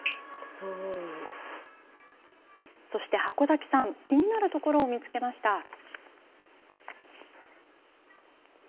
箱崎さん気になるところを見つけました。